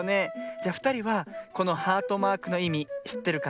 じゃふたりはこのハートマークのいみしってるかしら？